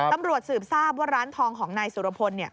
ตำรวจสืบทราบว่าร้านทองของนายสุรพล